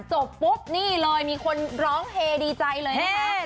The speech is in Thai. จบปุ๊บนี่เลยมีคนร้องเฮดีใจเลยนะคะ